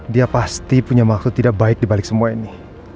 dia pasti punya maksud tidak baik dibalik semua ini